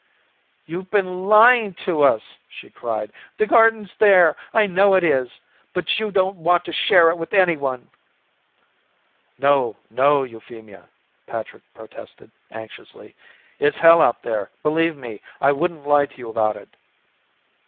"You've been lying to us," she cried. "The garden's there. I know it is. But you don't want to share it with anyone." "No, no, Euphemia," Patrick protested anxiously. "It's hell out there, believe me. I wouldn't lie to you about it."